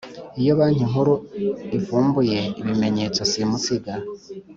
Iyo Banki Nkuru ivumbuye ibimenyetso simusiga